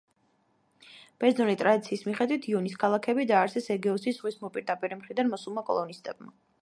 ბერძნული ტრადიციის მიხედვით, იონიის ქალაქები დაარსეს ეგეოსის ზღვის მოპირდაპირე მხრიდან მოსულმა კოლონისტებმა.